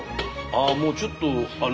あもうちょっとあの。